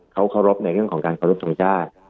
เขาเคารพในเรื่องของการเคารพทงชาติ